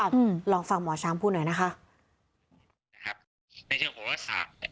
อ่าอืมลองฟังหมอช้างพูดหน่อยนะคะนะครับในเชิงโหวศัพท์